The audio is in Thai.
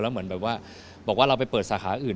เหมือนแบบว่าบอกว่าเราไปเปิดสาขาอื่น